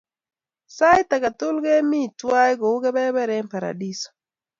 Sait ake tukul kemi twai kou kepeper eng' paradiso.